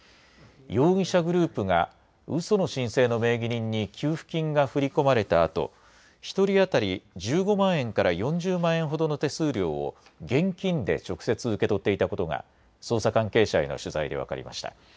容疑者グループが、うその申請の名義人に給付金が振り込まれたあと１人当たり１５万円から４０万円ほどの手数料を現金で直接受け取っていたことが捜査関係者への取材で分かりました。